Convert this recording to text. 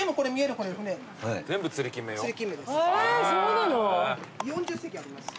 そうなの？